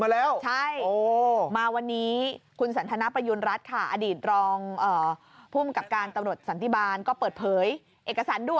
แล้วบอกว่าไปเดินชั้น๑๔มาแล้ว